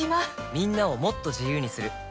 みんなをもっと自由にする「三菱冷蔵庫」